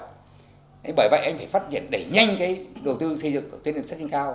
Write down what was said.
thế bởi vậy anh phải phát triển đẩy nhanh cái đầu tư xây dựng tuyến đường sát trình cao